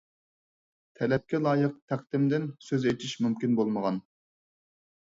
تەلەپكە لايىق تەقدىمدىن سۆز ئېچىش مۇمكىن بولمىغان.